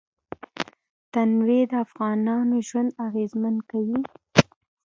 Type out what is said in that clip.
تنوع د افغانانو ژوند اغېزمن کوي.